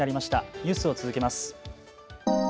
ニュースを続けます。